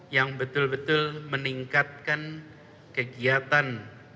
yang betul betul meningkatkan kegiatan